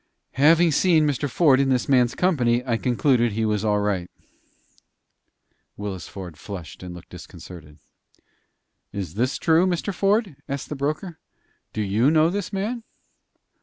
"Having seen Mr. Ford in this man's company, I concluded he was all right." Willis Ford flushed and looked disconcerted. "Is this true, Mr. Ford?" asked the broker. "Do you know this man?"